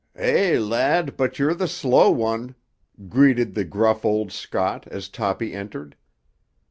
"Eh, lad, but you're the slow one!" greeted the gruff old Scot as Toppy entered.